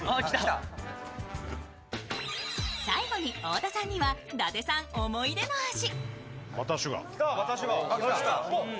最後に太田さんには伊達さん思い出の味。